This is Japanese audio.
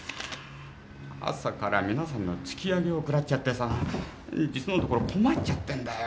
朝から皆さんの突き上げを食らっちゃって実のところ困っちゃってんだよ。